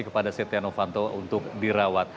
kepada setia novanto untuk dirawat